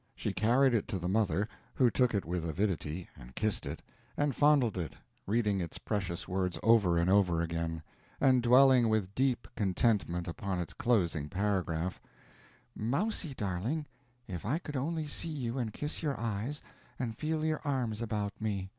She carried it to the mother, who took it with avidity, and kissed it, and fondled it, reading its precious words over and over again, and dwelling with deep contentment upon its closing paragraph: "Mousie darling, if I could only see you, and kiss your eyes, and feel your arms about me!